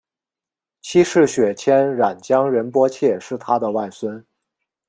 七世雪谦冉江仁波切是他的外孙。